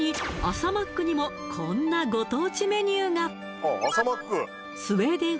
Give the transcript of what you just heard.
朝マックにもこんなご当地メニューがお値段